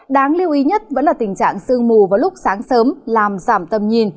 đáng lưu ý nhất vẫn là tình trạng sương mù vào lúc sáng sớm làm giảm tầm nhìn